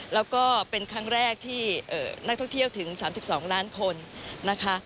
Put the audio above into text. แล้วก็เป็นครั้งแรกที่นักท่องเที่ยวถึง๓๒ล้านคนนะคะ